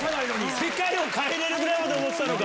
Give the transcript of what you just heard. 世界を変えれるぐらいまで思ってたのか。